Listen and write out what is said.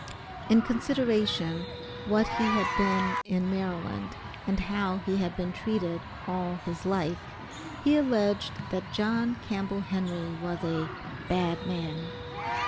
In considering what he had been in Maryland and how he had been treated all his life, he alleged that John Campbell Henry was a "bad man."